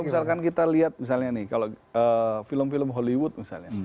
misalkan kita lihat misalnya nih kalau film film hollywood misalnya